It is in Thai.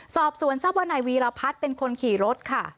สอบสวนทรัพย์ว่านายวีรพัฒน์เป็นคนขี่รถค่ะ